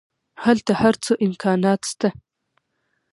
هلته هر څه امکانات شته.